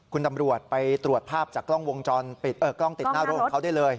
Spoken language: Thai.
คุณตำรวจไปตรวจภาพจากกล้องติดหน้ารถเขาได้เลย